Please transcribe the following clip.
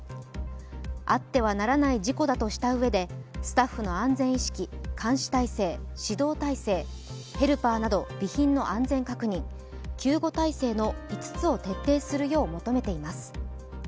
あってはならない事故だとしたうえで、スタッフの安全意識監視体制、指導体制、ヘルパーなど備品の安全確認救護体制の５つを徹底するよう求めています。